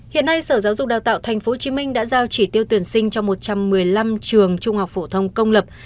hiện nay sở giáo dục đào tạo tp hcm đã giao chỉ tiêu tuyển sinh cho một trăm một mươi năm trường trung học phổ thông công lập